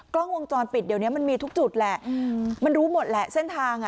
กล้องวงจรปิดเดี๋ยวนี้มันมีทุกจุดแหละมันรู้หมดแหละเส้นทางอ่ะ